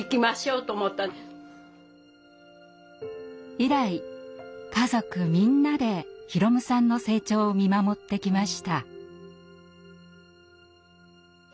以来家族みんなで宏夢さんの成長を見守ってきました。